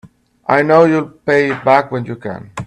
I know you'll pay it back when you can.